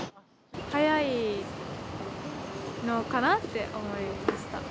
早いのかなって思いました。